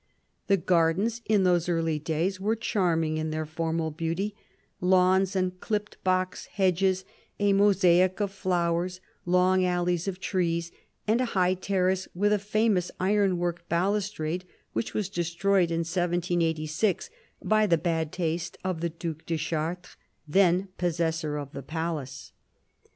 The gardens, in those early days, were charming in their formal beauty ; lawns and clipped box hedges, a mosaic of flowers, long alleys of trees, and a high terrace with a famous iron work balustrade which was destroyed in 1786 by the bad taste of the Due de Chartres, then possessor of the palace.